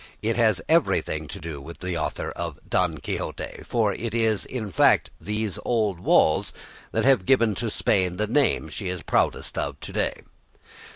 It has everything to do with the author of "Don Quixote," for it is in fact these old walls that have given to Spain the name she is proudest of to day.